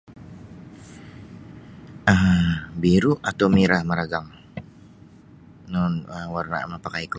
um biru' atau merah maragang no warna' mapakaiku.